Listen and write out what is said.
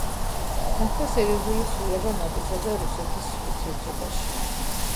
მოხდა სერიოზული ცვლილება ნატოსა და რუსეთის ურთიერთობაში.